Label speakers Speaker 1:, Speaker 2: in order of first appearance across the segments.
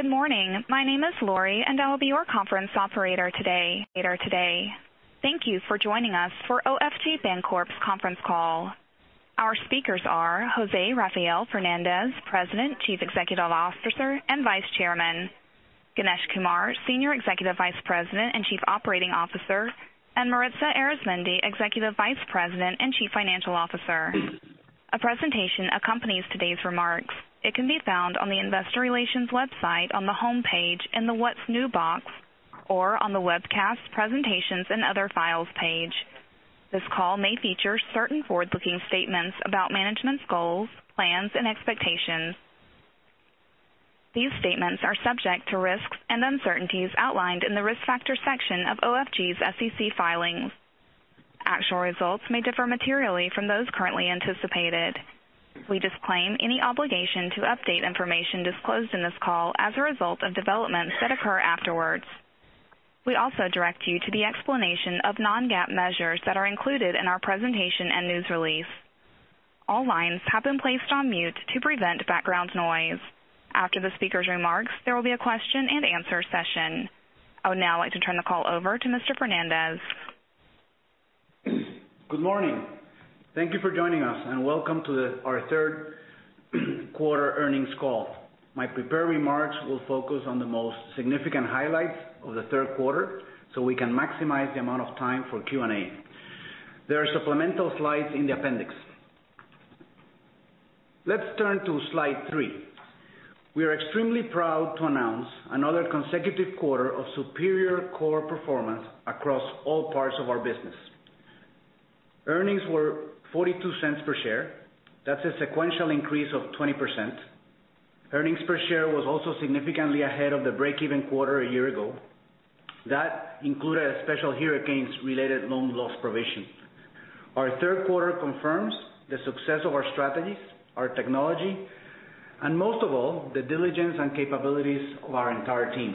Speaker 1: Good morning. My name is Lori, I will be your conference operator today. Thank you for joining us for OFG Bancorp's conference call. Our speakers are José Rafael Fernández, President, Chief Executive Officer, and Vice Chairman, Ganesh Kumar, Senior Executive Vice President and Chief Operating Officer, and Maritza Arizmendi, Executive Vice President and Chief Financial Officer. A presentation accompanies today's remarks. It can be found on the investor relations website on the homepage in the What's New box, or on the Webcasts, Presentations, and Other Files page. This call may feature certain forward-looking statements about management's goals, plans, and expectations. These statements are subject to risks and uncertainties outlined in the Risk Factors section of OFG's SEC filings. Actual results may differ materially from those currently anticipated. We disclaim any obligation to update information disclosed in this call as a result of developments that occur afterwards. We also direct you to the explanation of non-GAAP measures that are included in our presentation and news release. All lines have been placed on mute to prevent background noise. After the speakers' remarks, there will be a question and answer session. I would now like to turn the call over to Mr. Fernández.
Speaker 2: Good morning. Thank you for joining us, and welcome to our third quarter earnings call. My prepared remarks will focus on the most significant highlights of the third quarter so we can maximize the amount of time for Q&A. There are supplemental slides in the appendix. Let's turn to slide three. We are extremely proud to announce another consecutive quarter of superior core performance across all parts of our business. Earnings were $0.42 per share. That's a sequential increase of 20%. Earnings per share was also significantly ahead of the break-even quarter a year ago. That included a special hurricanes-related loan loss provision. Our third quarter confirms the success of our strategies, our technology, and most of all, the diligence and capabilities of our entire team.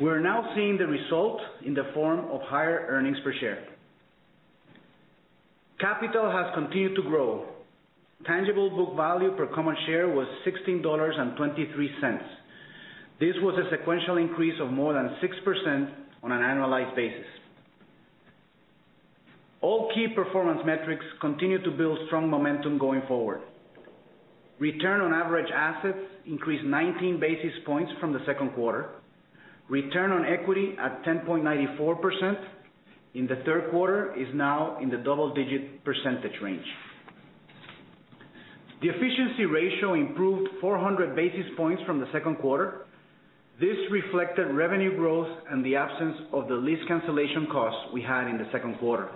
Speaker 2: We are now seeing the result in the form of higher earnings per share. Capital has continued to grow. Tangible book value per common share was $16.23. This was a sequential increase of more than 6% on an annualized basis. All key performance metrics continue to build strong momentum going forward. Return on average assets increased 19 basis points from the second quarter. Return on equity at 10.94% in the third quarter is now in the double-digit percentage range. The efficiency ratio improved 400 basis points from the second quarter. This reflected revenue growth and the absence of the lease cancellation costs we had in the second quarter.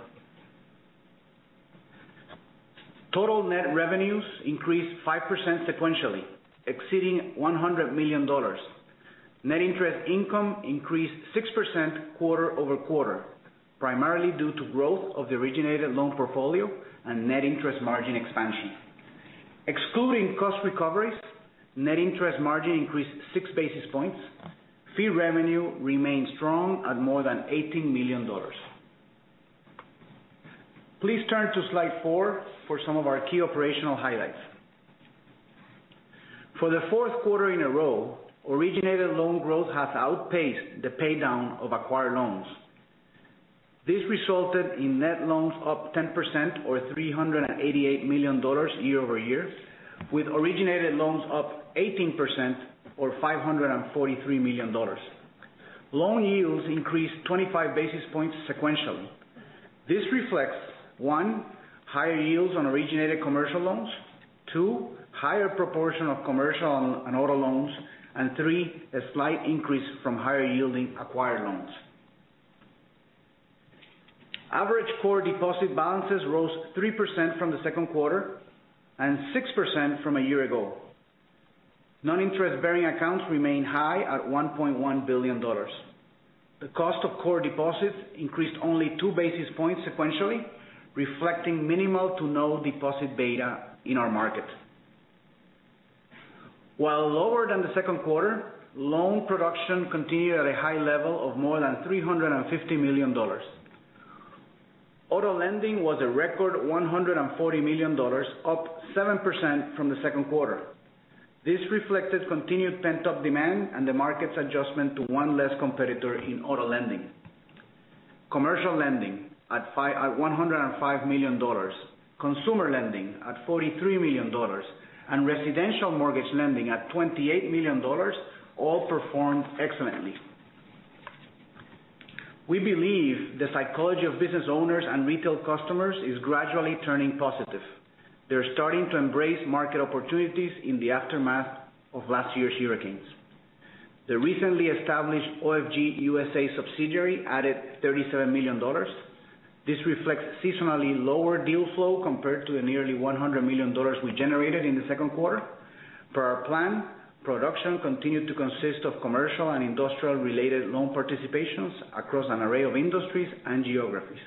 Speaker 2: Total net revenues increased 5% sequentially, exceeding $100 million. Net interest income increased 6% quarter-over-quarter, primarily due to growth of the originated loan portfolio and net interest margin expansion. Excluding cost recoveries, net interest margin increased six basis points. Fee revenue remained strong at more than $18 million. Please turn to slide four for some of our key operational highlights. For the fourth quarter in a row, originated loan growth has outpaced the paydown of acquired loans. This resulted in net loans up 10%, or $388 million year-over-year, with originated loans up 18%, or $543 million. Loan yields increased 25 basis points sequentially. This reflects, one, higher yields on originated commercial loans, two, higher proportion of commercial and auto loans, and three, a slight increase from higher-yielding acquired loans. Average core deposit balances rose 3% from the second quarter and 6% from a year ago. Non-interest-bearing accounts remain high at $1.1 billion. The cost of core deposits increased only two basis points sequentially, reflecting minimal to no deposit beta in our market. While lower than the second quarter, loan production continued at a high level of more than $350 million. Auto lending was a record $140 million, up 7% from the second quarter. This reflected continued pent-up demand and the market's adjustment to one less competitor in auto lending. Commercial lending at $105 million, consumer lending at $43 million, and residential mortgage lending at $28 million all performed excellently. We believe the psychology of business owners and retail customers is gradually turning positive. They're starting to embrace market opportunities in the aftermath of last year's hurricanes. The recently established OFG USA subsidiary added $37 million. This reflects seasonally lower deal flow compared to the nearly $100 million we generated in the second quarter. Per our plan, production continued to consist of commercial and industrial-related loan participations across an array of industries and geographies.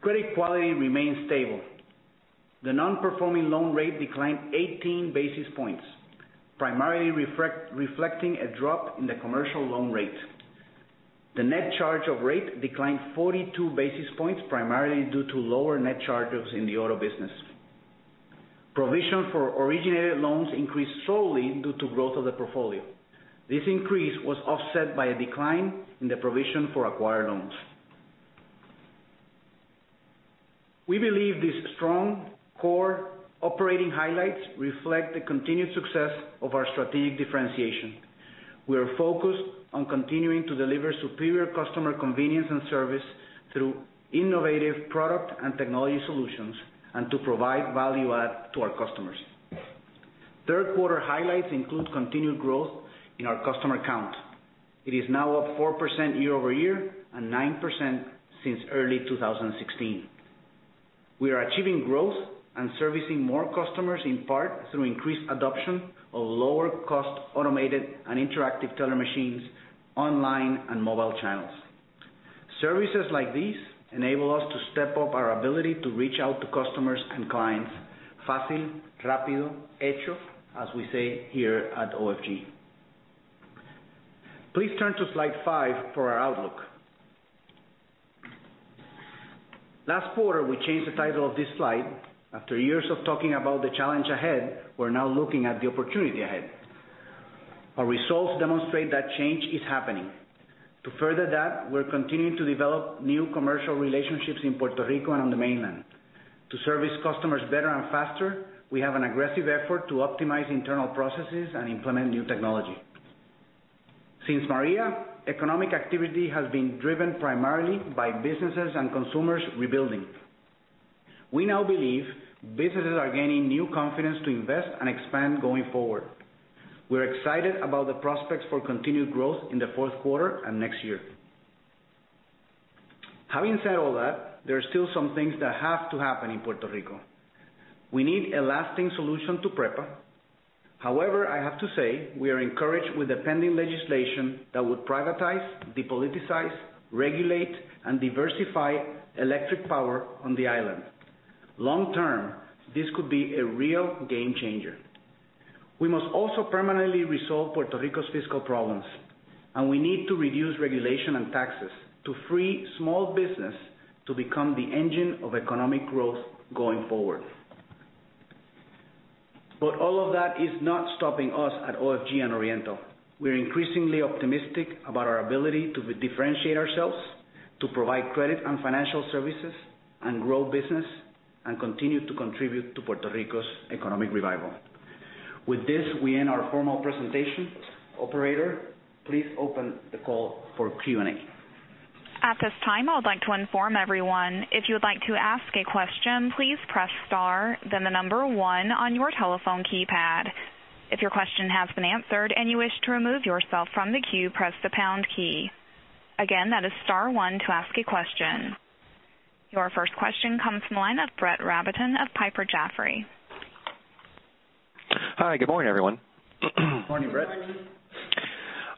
Speaker 2: Credit quality remains stable. The non-performing loan rate declined 18 basis points, primarily reflecting a drop in the commercial loan rate. The net charge of rate declined 42 basis points, primarily due to lower net charges in the auto business. Provision for originated loans increased solely due to growth of the portfolio. This increase was offset by a decline in the provision for acquired loans. We believe these strong core operating highlights reflect the continued success of our strategic differentiation. We are focused on continuing to deliver superior customer convenience and service through innovative product and technology solutions and to provide value add to our customers. Third quarter highlights include continued growth in our customer count. It is now up 4% year-over-year and 9% since early 2016. We are achieving growth and servicing more customers, in part through increased adoption of lower-cost automated and interactive teller machines, online and mobile channels. Services like these enable us to step up our ability to reach out to customers and clients fácil, rápido, hecho, as we say here at OFG. Please turn to slide five for our outlook. Last quarter, we changed the title of this slide. After years of talking about the challenge ahead, we're now looking at the opportunity ahead. Our results demonstrate that change is happening. To further that, we're continuing to develop new commercial relationships in Puerto Rico and on the mainland. To service customers better and faster, we have an aggressive effort to optimize internal processes and implement new technology. Since Maria, economic activity has been driven primarily by businesses and consumers rebuilding. We now believe businesses are gaining new confidence to invest and expand going forward. We're excited about the prospects for continued growth in the fourth quarter and next year. Having said all that, there are still some things that have to happen in Puerto Rico. We need a lasting solution to PREPA. However, I have to say, we are encouraged with the pending legislation that would privatize, depoliticize, regulate, and diversify electric power on the island. Long term, this could be a real game changer. We must also permanently resolve Puerto Rico's fiscal problems, and we need to reduce regulation and taxes to free small business to become the engine of economic growth going forward. All of that is not stopping us at OFG and Oriental. We're increasingly optimistic about our ability to differentiate ourselves, to provide credit and financial services, and grow business, and continue to contribute to Puerto Rico's economic revival. With this, we end our formal presentation. Operator, please open the call for Q&A.
Speaker 1: At this time, I would like to inform everyone, if you would like to ask a question, please press star, then the number one on your telephone keypad. If your question has been answered and you wish to remove yourself from the queue, press the pound key. Again, that is star one to ask a question. Your first question comes from the line of Brett Rabatin of Piper Jaffray.
Speaker 3: Hi, good morning, everyone.
Speaker 2: Morning, Brett.
Speaker 1: Morning.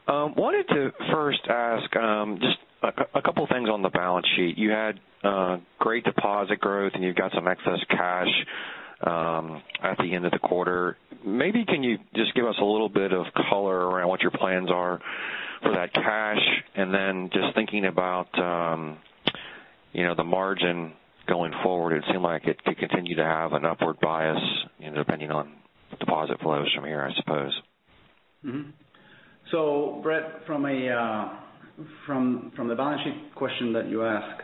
Speaker 3: I wanted to first ask just a couple things on the balance sheet. You had great deposit growth, you've got some excess cash at the end of the quarter. Maybe can you just give us a little bit of color around what your plans are for that cash? Just thinking about the margin going forward, it seemed like it could continue to have an upward bias, depending on deposit flows from here, I suppose.
Speaker 2: Brett, from the balance sheet question that you ask,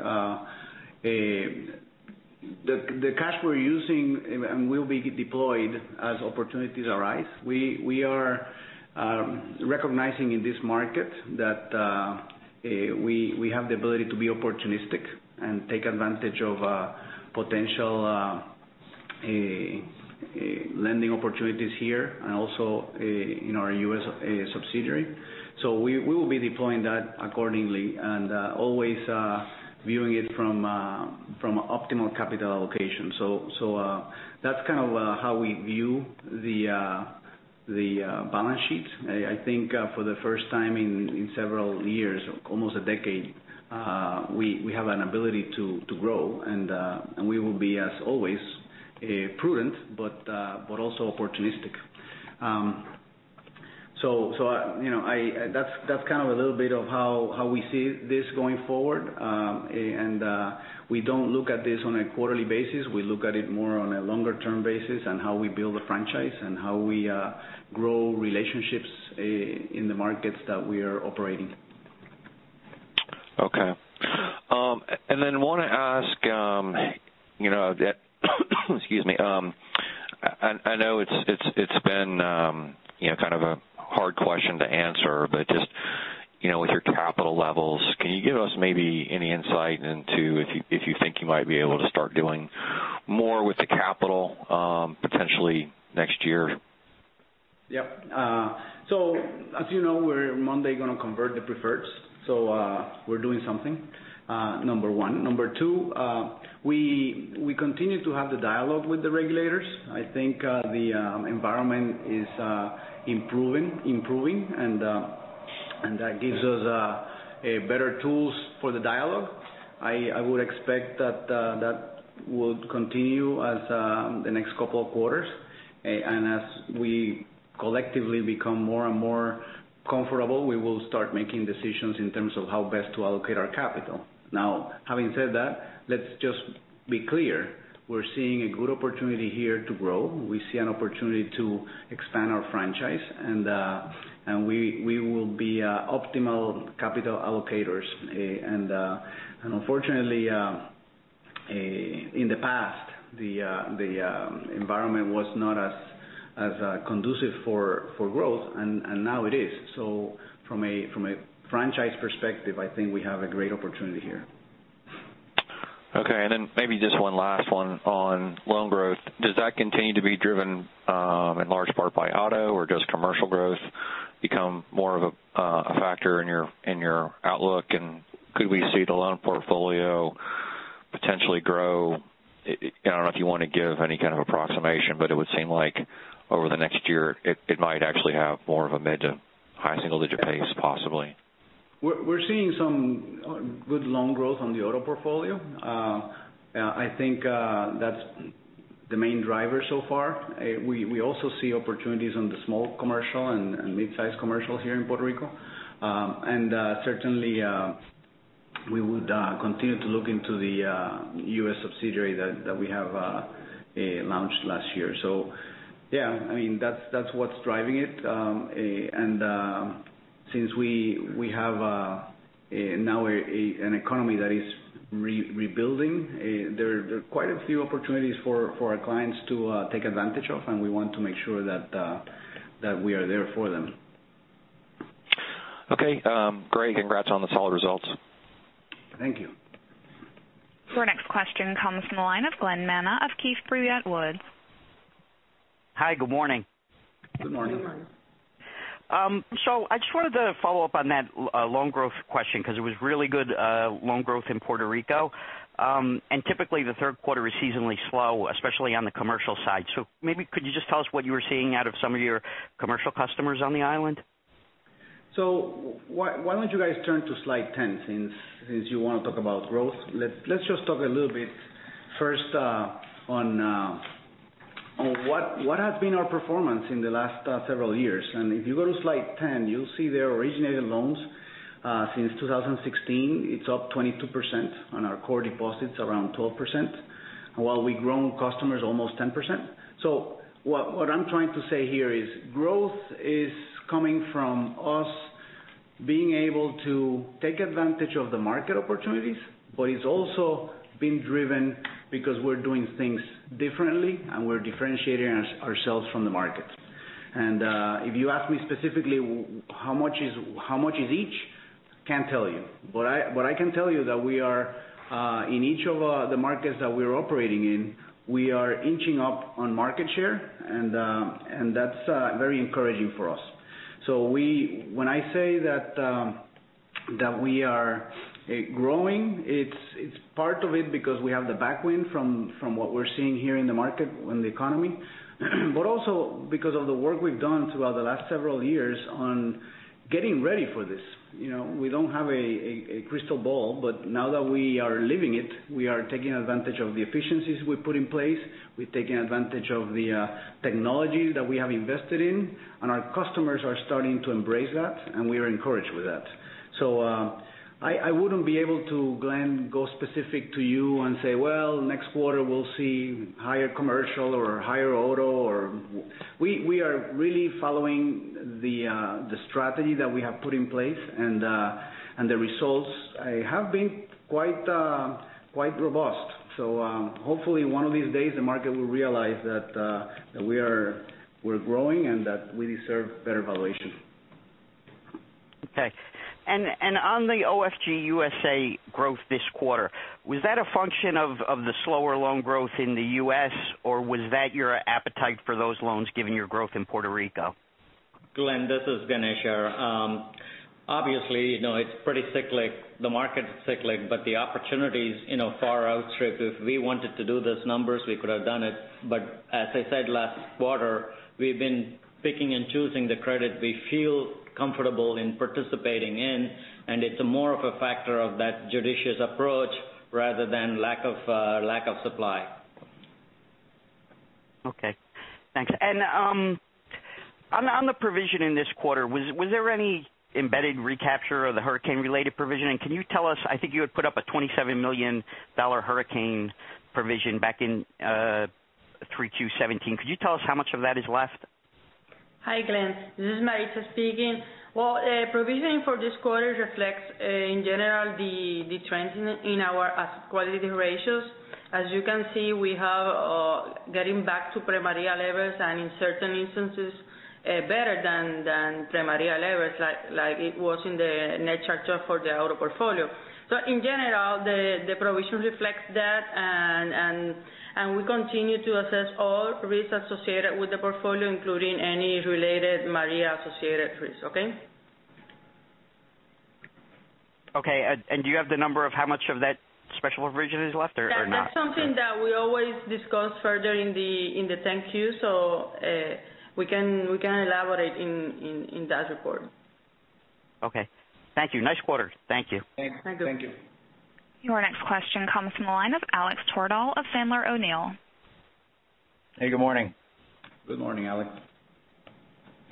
Speaker 2: the cash we're using and will be deployed as opportunities arise. We are recognizing in this market that we have the ability to be opportunistic and take advantage of potential lending opportunities here and also in our U.S. subsidiary. We will be deploying that accordingly and always viewing it from optimal capital allocation. That's kind of how we view the balance sheet. I think for the first time in several years, almost a decade, we have an ability to grow, we will be, as always, prudent, also opportunistic. That's kind of a little bit of how we see this going forward. We don't look at this on a quarterly basis. We look at it more on a longer-term basis on how we build a franchise and how we grow relationships in the markets that we are operating.
Speaker 3: Okay. Then I want to ask, excuse me. I know it's been kind of a hard question to answer, just with your capital levels, can you give us maybe any insight into if you think you might be able to start doing more with the capital potentially next year?
Speaker 2: Yep. As you know, we're Monday going to convert the preferreds. We're doing something, number one. Number two, we continue to have the dialogue with the regulators. I think the environment is improving, and that gives us better tools for the dialogue. I would expect that will continue as the next couple of quarters. As we collectively become more and more comfortable, we will start making decisions in terms of how best to allocate our capital. Having said that, let's just be clear. We're seeing a good opportunity here to grow. We see an opportunity to expand our franchise, and we will be optimal capital allocators. Unfortunately, in the past, the environment was not as conducive for growth, and now it is. From a franchise perspective, I think we have a great opportunity here.
Speaker 3: Okay. Maybe just one last one on loan growth. Does that continue to be driven in large part by auto or does commercial growth become more of a factor in your outlook? Could we see the loan portfolio potentially grow? I don't know if you want to give any kind of approximation, but it would seem like over the next year it might actually have more of a mid to high single-digit pace, possibly.
Speaker 2: We're seeing some good loan growth on the auto portfolio. I think that's the main driver so far. We also see opportunities on the small commercial and mid-size commercial here in Puerto Rico. Certainly, we would continue to look into the U.S. subsidiary that we have launched last year. Yeah, that's what's driving it. Since we have now an economy that is rebuilding, there are quite a few opportunities for our clients to take advantage of, and we want to make sure that we are there for them.
Speaker 3: Okay, great. Congrats on the solid results.
Speaker 2: Thank you.
Speaker 1: Your next question comes from the line of Glen Manna of Keefe, Bruyette & Woods.
Speaker 4: Hi. Good morning.
Speaker 2: Good morning.
Speaker 1: Good morning.
Speaker 4: I just wanted to follow up on that loan growth question because it was really good loan growth in Puerto Rico. Typically, the third quarter is seasonally slow, especially on the commercial side. Maybe could you just tell us what you were seeing out of some of your commercial customers on the island?
Speaker 2: Why don't you guys turn to slide 10 since you want to talk about growth? Let's just talk a little bit first on what has been our performance in the last several years. If you go to slide 10, you'll see their originated loans since 2016, it's up 22% on our core deposits around 12%, while we've grown customers almost 10%. What I'm trying to say here is growth is coming from us being able to take advantage of the market opportunities, but it's also been driven because we're doing things differently and we're differentiating ourselves from the markets. If you ask me specifically how much is each, can't tell you. What I can tell you that we are in each of the markets that we're operating in, we are inching up on market share, and that's very encouraging for us. When I say that we are growing, it's part of it because we have the backwind from what we're seeing here in the market and the economy, but also because of the work we've done throughout the last several years on getting ready for this. We don't have a crystal ball, but now that we are living it, we are taking advantage of the efficiencies we put in place. We're taking advantage of the technology that we have invested in, and our customers are starting to embrace that, and we are encouraged with that. I wouldn't be able to, Glen, go specific to you and say, well, next quarter we'll see higher commercial or higher auto. We are really following the strategy that we have put in place and the results have been quite robust. Hopefully one of these days the market will realize that we're growing and that we deserve better valuation.
Speaker 4: Okay. On the OFG USA growth this quarter, was that a function of the slower loan growth in the U.S., or was that your appetite for those loans given your growth in Puerto Rico?
Speaker 5: Glen, this is Ganesh here. It's pretty cyclic. The market is cyclic, but the opportunities far outstrip. If we wanted to do those numbers, we could have done it. As I said last quarter, we've been picking and choosing the credit we feel comfortable in participating in, and it's more of a factor of that judicious approach rather than lack of supply.
Speaker 4: Okay, thanks. On the provision in this quarter, was there any embedded recapture of the hurricane-related provision? Can you tell us, I think you had put up a $27 million hurricane provision back in Q3 2017. Could you tell us how much of that is left?
Speaker 6: Hi, Glen. This is Maritza speaking. Well, provisioning for this quarter reflects in general the trends in our asset quality ratios. As you can see, we are getting back to pre-Maria levels and in certain instances better than pre-Maria levels like it was in the net charge-off for the auto portfolio. In general, the provision reflects that, and we continue to assess all risks associated with the portfolio, including any related Maria-associated risks. Okay?
Speaker 4: Okay. Do you have the number of how much of that Special arrangement is left or not?
Speaker 6: That's something that we always discuss further in the 10-Q. We can elaborate in that report.
Speaker 4: Okay. Thank you. Nice quarter. Thank you.
Speaker 2: Thanks.
Speaker 6: Thank you.
Speaker 2: Thank you.
Speaker 1: Your next question comes from the line of Alex Tordal of Sandler O'Neill.
Speaker 7: Hey. Good morning.
Speaker 2: Good morning, Alex.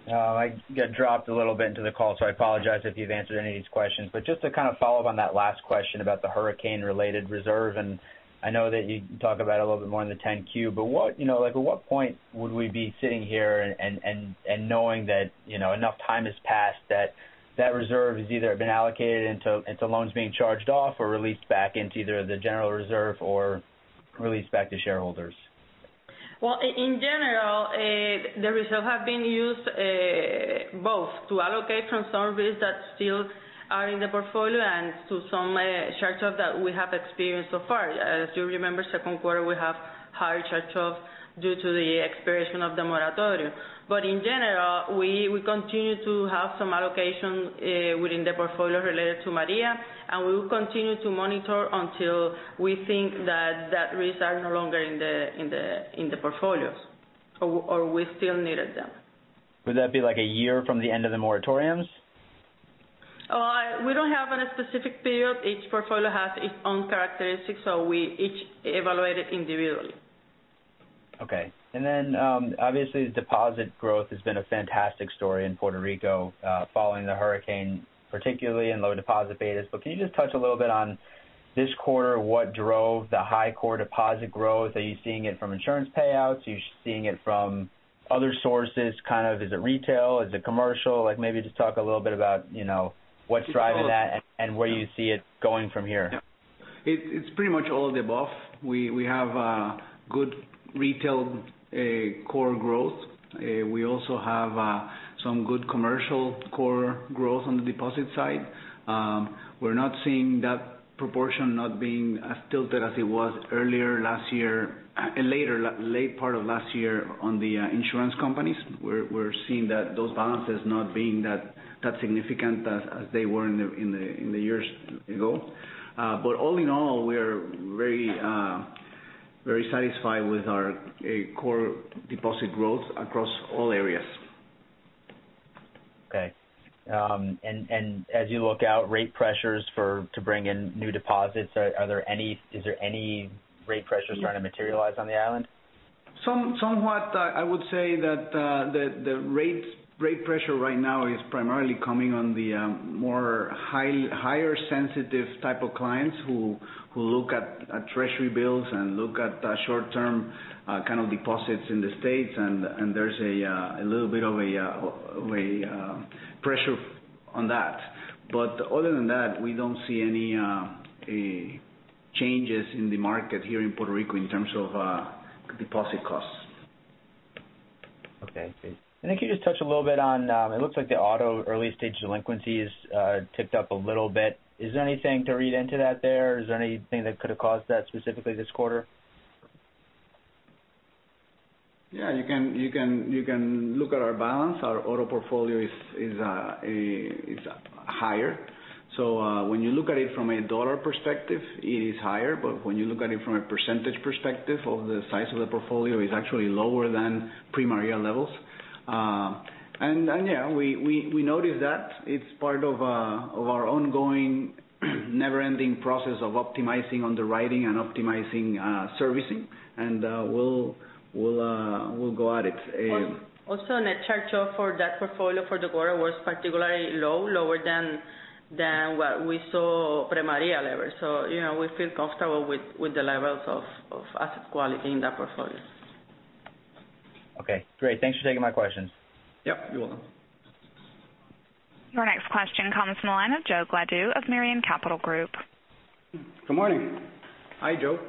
Speaker 7: I got dropped a little bit into the call, so I apologize if you've answered any of these questions, but just to kind of follow up on that last question about the hurricane-related reserve, and I know that you talk about it a little bit more in the 10-Q, but at what point would we be sitting here and knowing that enough time has passed that that reserve has either been allocated into loans being charged off or released back into either the general reserve or released back to shareholders?
Speaker 6: Well, in general, the reserve have been used both to allocate from some risk that still are in the portfolio and to some charge-off that we have experienced so far. As you remember, second quarter, we have higher charge-off due to the expiration of the moratorium. In general, we continue to have some allocation within the portfolio related to Maria, and we will continue to monitor until we think that risk are no longer in the portfolios or we still needed them.
Speaker 7: Would that be like a year from the end of the moratoriums?
Speaker 6: We don't have any specific period. Each portfolio has its own characteristics, so we each evaluate it individually.
Speaker 7: Okay. Obviously deposit growth has been a fantastic story in Puerto Rico following Hurricane Maria, particularly in low deposit betas. Can you just touch a little bit on this quarter, what drove the high core deposit growth? Are you seeing it from insurance payouts? Are you seeing it from other sources? Kind of is it retail? Is it commercial? Maybe just talk a little bit about what's driving that and where you see it going from here.
Speaker 2: It's pretty much all of the above. We have good retail core growth. We also have some good commercial core growth on the deposit side. We're not seeing that proportion not being as tilted as it was earlier last year, late part of last year on the insurance companies. We're seeing those balances not being that significant as they were in the years ago. All in all, we're very satisfied with our core deposit growth across all areas.
Speaker 7: Okay. As you look out rate pressures to bring in new deposits, is there any rate pressures starting to materialize on the island?
Speaker 2: Somewhat. I would say that the rate pressure right now is primarily coming on the more higher sensitive type of clients who look at treasury bills and look at short-term kind of deposits in the States, and there's a little bit of a pressure on that. Other than that, we don't see any changes in the market here in Puerto Rico in terms of deposit costs.
Speaker 7: Okay. Can you just touch a little bit on it looks like the auto early stage delinquencies ticked up a little bit. Is there anything to read into that there? Is there anything that could have caused that specifically this quarter?
Speaker 2: Yeah. You can look at our balance. Our auto portfolio is higher. When you look at it from a dollar perspective, it is higher. When you look at it from a percentage perspective of the size of the portfolio, it's actually lower than pre-Maria levels. Yeah, we noticed that it's part of our ongoing, never-ending process of optimizing underwriting and optimizing servicing. We'll go at it.
Speaker 6: net charge-off for that portfolio for the quarter was particularly low, lower than what we saw pre-Maria level. We feel comfortable with the levels of asset quality in that portfolio.
Speaker 7: Great. Thanks for taking my questions.
Speaker 2: Yep, you're welcome.
Speaker 1: Your next question comes from the line of Joe Gladue of Merion Capital Group.
Speaker 8: Good morning.
Speaker 2: Hi, Joe.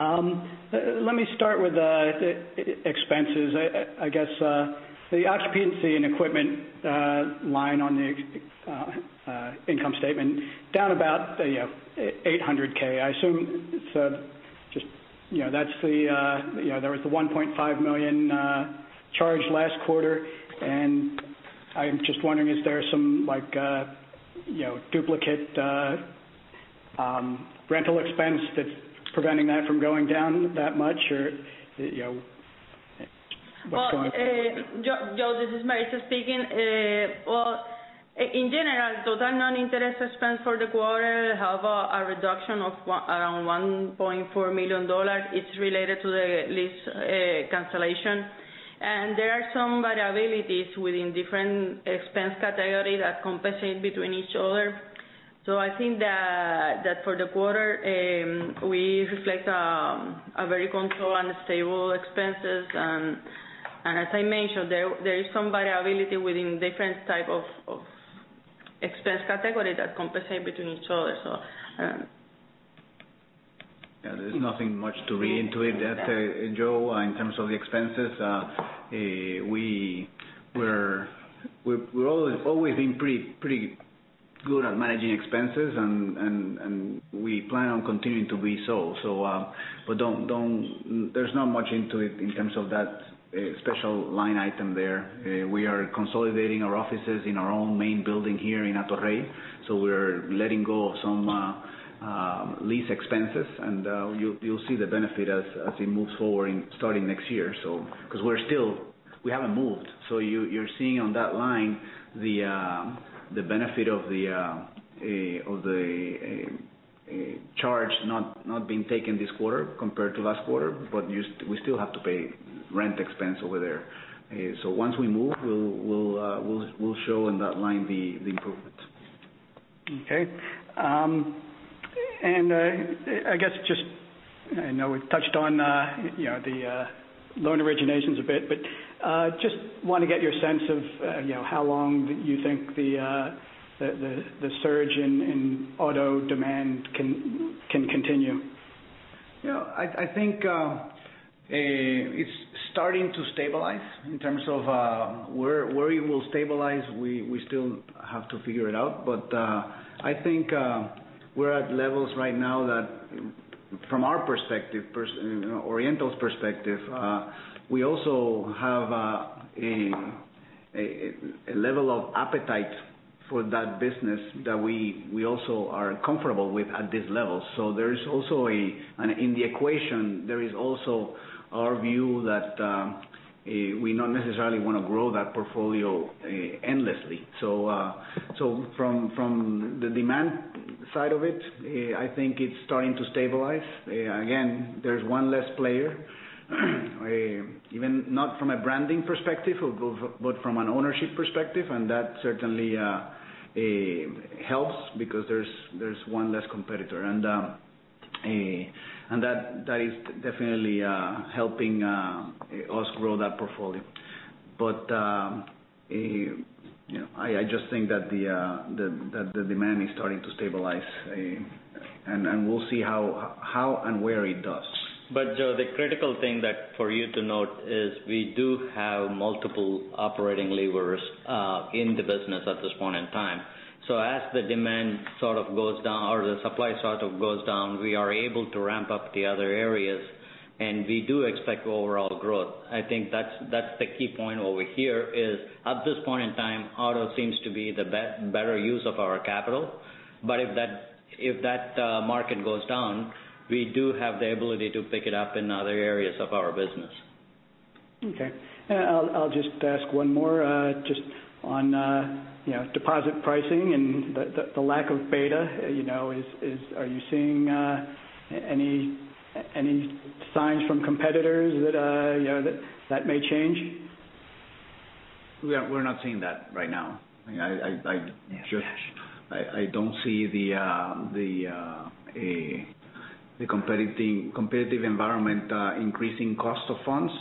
Speaker 8: Let me start with the expenses. I guess the occupancy and equipment line on the income statement down about $800K. I assume there was the $1.5 million charge last quarter, and I'm just wondering, is there some duplicate rental expense that's preventing that from going down that much or what's going on?
Speaker 6: Joe, this is Maritza speaking. Well, in general, total non-interest expense for the quarter have a reduction of around $1.4 million. It's related to the lease cancellation. There are some variabilities within different expense categories that compensate between each other. I think that for the quarter, we reflect a very controlled and stable expenses. As I mentioned, there is some variability within different type of expense categories that compensate between each other.
Speaker 2: There's nothing much to read into it, Joe, in terms of the expenses. We're always been pretty good at managing expenses, and we plan on continuing to be so. There's not much into it in terms of that special line item there. We are consolidating our offices in our own main building here in Hato Rey. We're letting go of some lease expenses, and you'll see the benefit as it moves forward starting next year. We haven't moved, so you're seeing on that line the benefit of the charge not being taken this quarter compared to last quarter. We still have to pay rent expense over there. Once we move, we'll show in that line the improvement.
Speaker 8: Okay. I guess, I know we've touched on the loan originations a bit, but just want to get your sense of how long you think the surge in auto demand can continue.
Speaker 2: I think it's starting to stabilize. In terms of where it will stabilize, we still have to figure it out. I think we're at levels right now that from our perspective, Oriental's perspective, we also have a level of appetite for that business that we also are comfortable with at this level. In the equation, there is also our view that we not necessarily want to grow that portfolio endlessly. From the demand side of it, I think it's starting to stabilize. Again, there's one less player, even not from a branding perspective, but from an ownership perspective, and that certainly helps because there's one less competitor. That is definitely helping us grow that portfolio. I just think that the demand is starting to stabilize, and we'll see how and where it does.
Speaker 5: Joe, the critical thing for you to note is we do have multiple operating levers in the business at this point in time. As the demand sort of goes down, or the supply sort of goes down, we are able to ramp up the other areas, and we do expect overall growth. I think that's the key point over here is at this point in time, auto seems to be the better use of our capital. If that market goes down, we do have the ability to pick it up in other areas of our business.
Speaker 8: Okay. I'll just ask one more just on deposit pricing and the lack of beta. Are you seeing any signs from competitors that may change?
Speaker 2: We're not seeing that right now.
Speaker 8: Yeah.
Speaker 2: I don't see the competitive environment increasing cost of funds.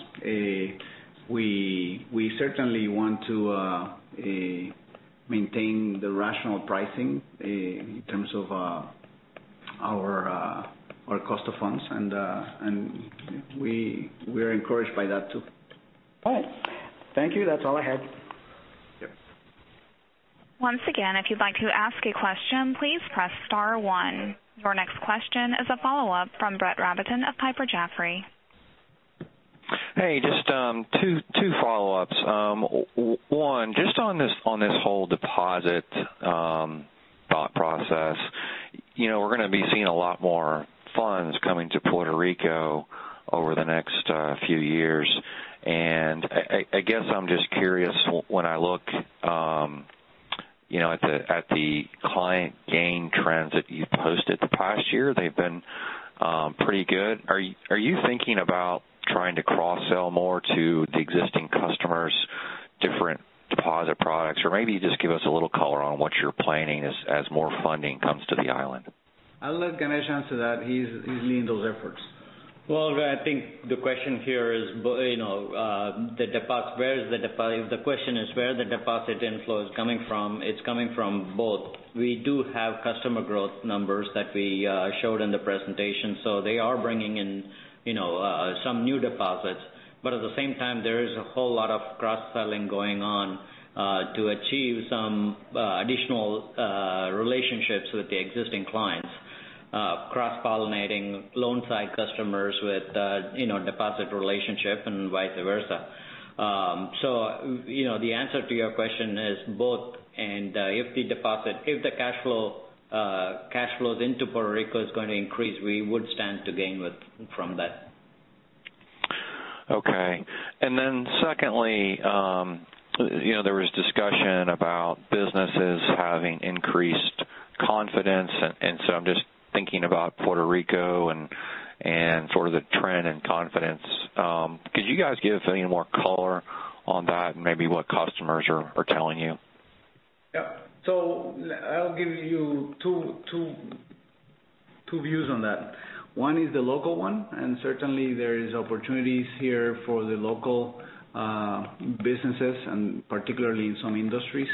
Speaker 2: We certainly want to maintain the rational pricing in terms of our cost of funds. We're encouraged by that too.
Speaker 8: All right. Thank you. That's all I had.
Speaker 2: Yeah.
Speaker 1: Once again, if you'd like to ask a question, please press star one. Your next question is a follow-up from Brett Rabatin of Piper Jaffray.
Speaker 3: Hey, just two follow-ups. One, just on this whole deposit thought process. We're going to be seeing a lot more funds coming to Puerto Rico over the next few years. I guess I'm just curious when I look at the client gain trends that you've posted the past year, they've been pretty good. Are you thinking about trying to cross-sell more to the existing customers different deposit products? Maybe just give us a little color on what you're planning as more funding comes to the island.
Speaker 2: I'll let Ganesh answer that. He's leading those efforts.
Speaker 5: Well, I think the question here is where the deposit inflow is coming from. It's coming from both. We do have customer growth numbers that we showed in the presentation. They are bringing in some new deposits. At the same time, there is a whole lot of cross-selling going on to achieve some additional relationships with the existing clients. Cross-pollinating loan side customers with deposit relationship and vice versa. The answer to your question is both. If the cash flows into Puerto Rico is going to increase, we would stand to gain from that.
Speaker 3: Okay. Secondly, there was discussion about businesses having increased confidence. I'm just thinking about Puerto Rico and sort of the trend in confidence. Could you guys give any more color on that and maybe what customers are telling you?
Speaker 2: Yeah. I'll give you two views on that. One is the local one, certainly there is opportunities here for the local businesses and particularly in some industries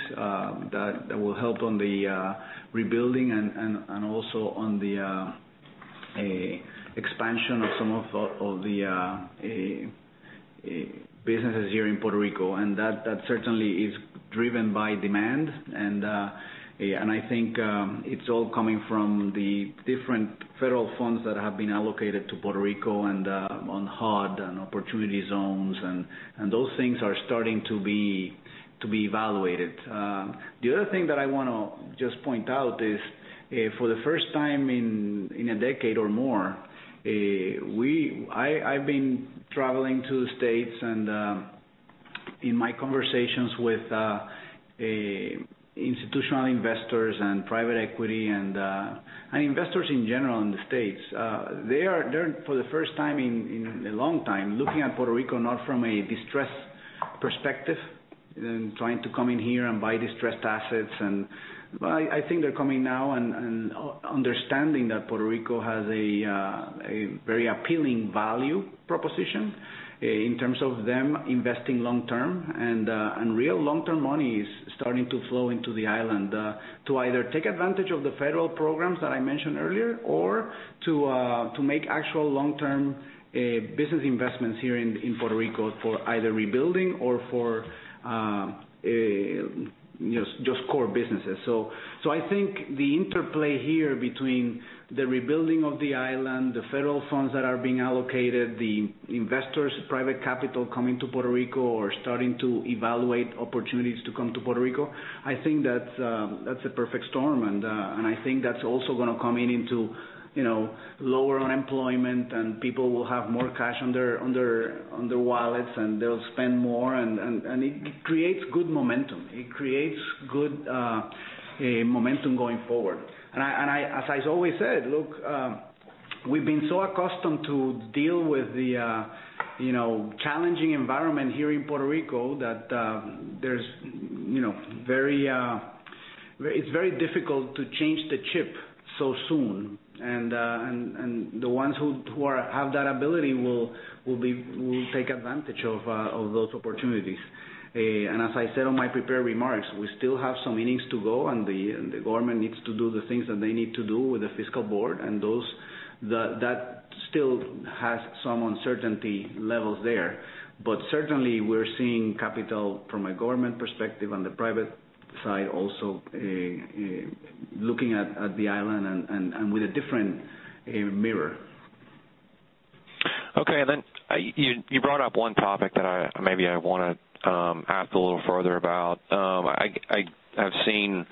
Speaker 2: that will help on the rebuilding and also on the expansion of some of the businesses here in Puerto Rico. That certainly is driven by demand. I think it's all coming from the different federal funds that have been allocated to Puerto Rico and on HUD and opportunity zones and those things are starting to be evaluated. The other thing that I want to just point out is, for the first time in a decade or more, I've been traveling to the States and in my conversations with institutional investors and private equity and investors in general in the States, they are, for the first time in a long time, looking at Puerto Rico, not from a distressed perspective and trying to come in here and buy distressed assets. I think they're coming now and understanding that Puerto Rico has a very appealing value proposition in terms of them investing long-term. Real long-term money is starting to flow into the island to either take advantage of the federal programs that I mentioned earlier or to make actual long-term business investments here in Puerto Rico for either rebuilding or for just core businesses. I think the interplay here between the rebuilding of the island, the federal funds that are being allocated, the investors, private capital coming to Puerto Rico or starting to evaluate opportunities to come to Puerto Rico, I think that's a perfect storm. I think that's also going to come in into lower unemployment and people will have more cash on their wallets, they'll spend more, it creates good momentum. It creates good momentum going forward. As I always said, look, we've been so accustomed to deal with the challenging environment here in Puerto Rico that it's very difficult to change the chip so soon. The ones who have that ability will take advantage of those opportunities. As I said on my prepared remarks, we still have some innings to go, and the government needs to do the things that they need to do with the fiscal board and that still has some uncertainty levels there. Certainly, we're seeing capital from a government perspective, on the private side also looking at the island and with a different mirror.
Speaker 3: You brought up one topic that maybe I want to ask a little further about. I have seen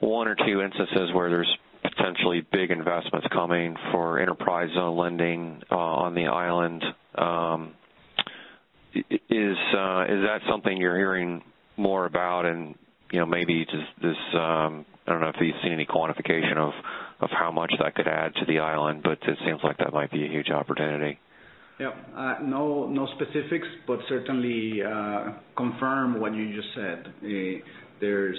Speaker 3: one or two instances where there's potentially big investments coming for enterprise zone lending on the island. Is that something you're hearing more about? Maybe just this, I don't know if you've seen any quantification of how much that could add to the island, but it seems like that might be a huge opportunity.
Speaker 2: No specifics, certainly confirm what you just said. There's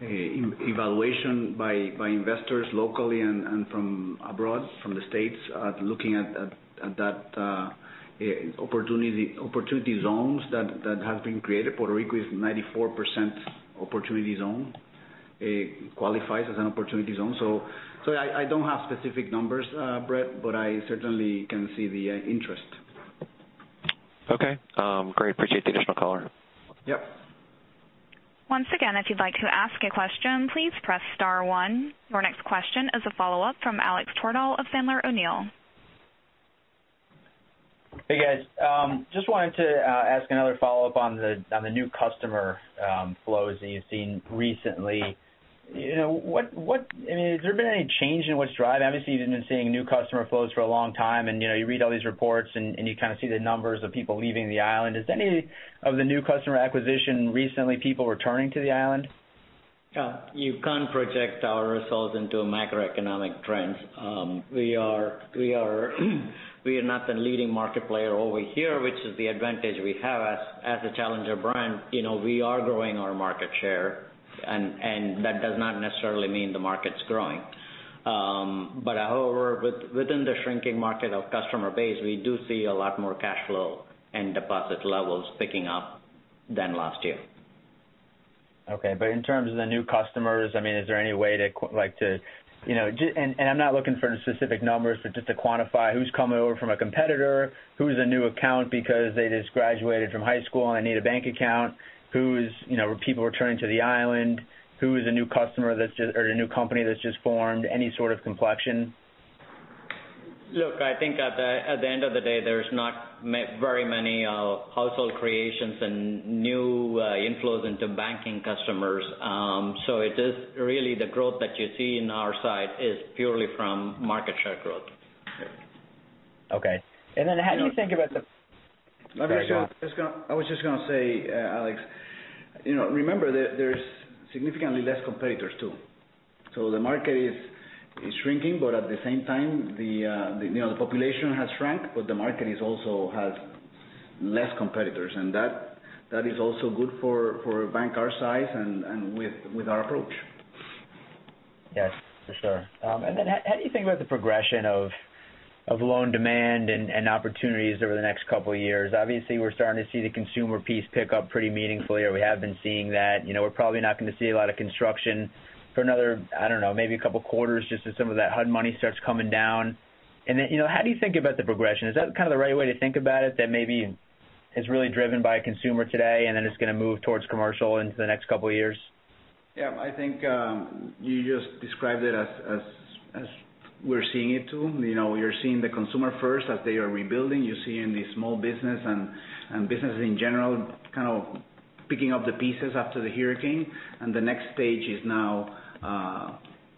Speaker 2: evaluation by investors locally and from abroad, from the States, looking at that opportunity zones that have been created. Puerto Rico is 94% opportunity zone, qualifies as an opportunity zone. I don't have specific numbers, Brett, but I certainly can see the interest.
Speaker 3: Great. Appreciate the additional color.
Speaker 2: Yep.
Speaker 1: Once again, if you'd like to ask a question, please press star one. Your next question is a follow-up from Alex Tarsia of Sandler O'Neill.
Speaker 7: Hey, guys. Just wanted to ask another follow-up on the new customer flows that you've seen recently. Has there been any change in what's driving? Obviously, you've been seeing new customer flows for a long time, and you read all these reports and you kind of see the numbers of people leaving the island. Is any of the new customer acquisition recently people returning to the island?
Speaker 5: You can't project our results into macroeconomic trends. We are not the leading market player over here, which is the advantage we have as a challenger brand. We are growing our market share, and that does not necessarily mean the market's growing. However, within the shrinking market of customer base, we do see a lot more cash flow and deposit levels picking up than last year.
Speaker 7: Okay. In terms of the new customers, I'm not looking for specific numbers, but just to quantify who's coming over from a competitor, who's a new account because they just graduated from high school and need a bank account. Are people returning to the island? Who is a new company that's just formed? Any sort of complexion?
Speaker 5: Look, I think at the end of the day, there is not very many household creations and new inflows into banking customers. It is really the growth that you see in our side is purely from market share growth.
Speaker 7: Okay. Then how do you think about the-
Speaker 2: I was just going to say, Alex, remember that there is significantly less competitors, too. The market is shrinking, but at the same time, the population has shrunk, but the market also has less competitors. That is also good for a bank our size and with our approach.
Speaker 7: Yes, for sure. Then how do you think about the progression of loan demand and opportunities over the next couple of years. Obviously, we are starting to see the consumer piece pick up pretty meaningfully, or we have been seeing that. We are probably not going to see a lot of construction for another, I don't know, maybe a couple quarters just as some of that HUD money starts coming down. Then how do you think about the progression? Is that the right way to think about it, that maybe it is really driven by consumer today, and then it is going to move towards commercial into the next couple of years?
Speaker 2: Yeah. I think you just described it as we're seeing it too. You're seeing the consumer first as they are rebuilding. You're seeing the small business and businesses in general kind of picking up the pieces after the hurricane. The next stage is now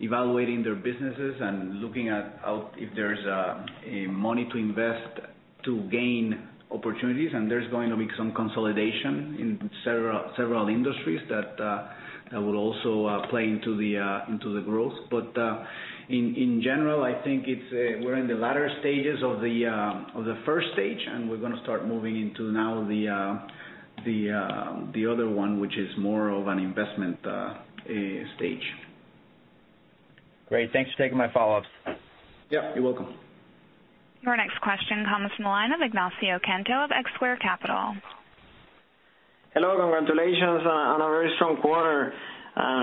Speaker 2: evaluating their businesses and looking at out if there's money to invest to gain opportunities. There's going to be some consolidation in several industries that will also play into the growth. In general, I think we're in the latter stages of the stage 1, and we're going to start moving into now the other one, which is more of an investment stage.
Speaker 7: Great. Thanks for taking my follow-ups.
Speaker 2: Yeah. You're welcome.
Speaker 1: Your next question comes from the line of Ignacio Cantos of X-Square Capital.
Speaker 9: Hello. Congratulations on a very strong quarter.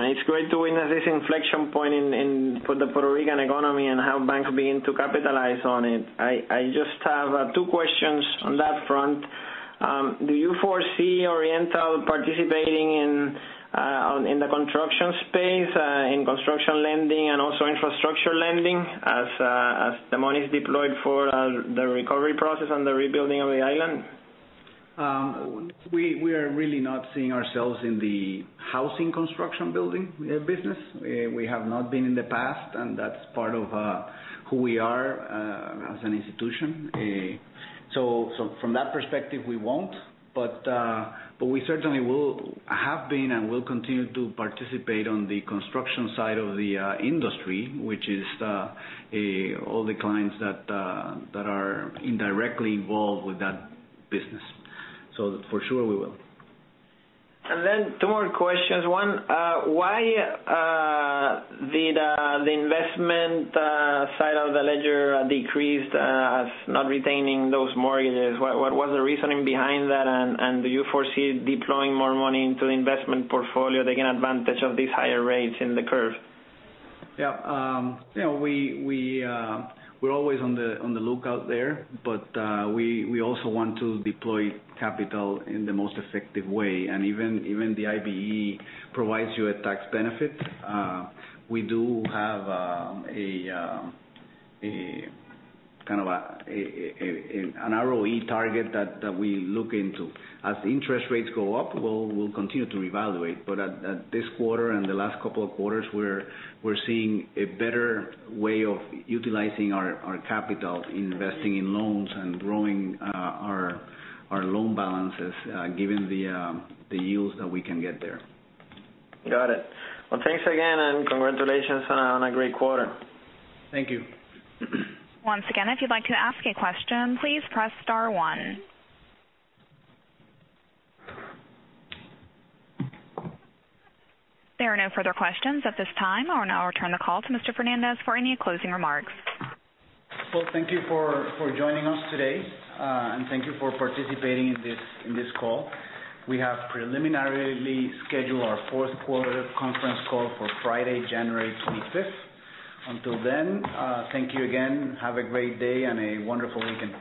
Speaker 9: It's great to witness this inflection point for the Puerto Rican economy and how banks begin to capitalize on it. I just have two questions on that front. Do you foresee Oriental participating in the construction space, in construction lending and also infrastructure lending as the money's deployed for the recovery process and the rebuilding of the island?
Speaker 2: We are really not seeing ourselves in the housing construction building business. We have not been in the past, and that's part of who we are as an institution. From that perspective, we won't. We certainly have been and will continue to participate on the construction side of the industry, which is all the clients that are indirectly involved with that business. For sure we will.
Speaker 9: Two more questions. One, why did the investment side of the ledger decrease as not retaining those mortgages? What was the reasoning behind that, and do you foresee deploying more money into the investment portfolio, taking advantage of these higher rates in the curve?
Speaker 2: Yeah. We're always on the lookout there. We also want to deploy capital in the most effective way. Even the IBE provides you a tax benefit. We do have an ROE target that we look into. As interest rates go up, we'll continue to reevaluate. At this quarter and the last couple of quarters, we're seeing a better way of utilizing our capital investing in loans and growing our loan balances given the yields that we can get there.
Speaker 9: Got it. Thanks again, and congratulations on a great quarter.
Speaker 2: Thank you.
Speaker 1: Once again, if you'd like to ask a question, please press star one. There are no further questions at this time. I will now return the call to Mr. Fernández for any closing remarks.
Speaker 2: Thank you for joining us today. Thank you for participating in this call. We have preliminarily scheduled our fourth quarter conference call for Friday, January 25th. Until then, thank you again. Have a great day and a wonderful weekend.